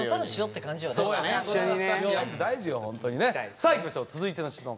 さあいきましょう続いての質問